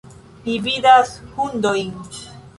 Mi vidas hundojn.